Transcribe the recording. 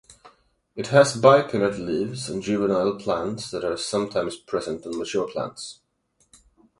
It has bipinnate leaves on juvenile plants that are sometimes present on mature plants.